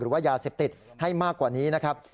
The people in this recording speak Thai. ว่ายาเสพติดให้มากกว่านี้นะครับ